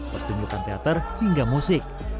pertunjukan teater hingga musik